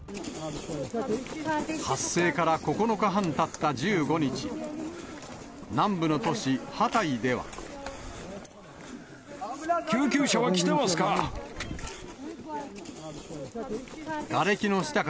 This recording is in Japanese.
発生から９日半たった１５日、救急車は来てますか？